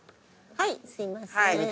はいすみません。